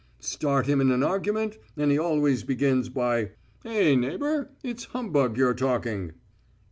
Start him in an argument, and he always begins by: "Eh, neighbour, it's humbug you're talking."